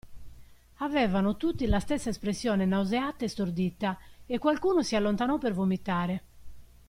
Avevano tutti la stessa espressione nauseata e stordita, e qualcuno si allontanò per vomitare.